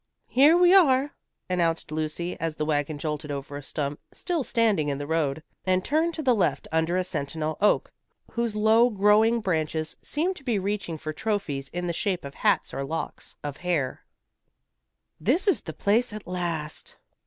"Here we are," announced Lucy, as the wagon jolted over a stump still standing in the road, and turned to the left under a sentinel oak whose low growing branches seemed to be reaching for trophies in the shape of hats or locks of hair. "This is the place at last."